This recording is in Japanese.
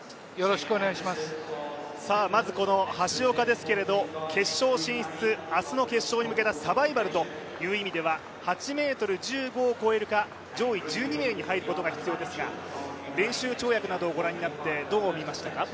この橋岡ですけど決勝進出、明日の決勝に向けたサバイバルは８ｍ１５を越えるか、上位１５名に入ることが必要ですが練習跳躍などを見てどう見ましたか？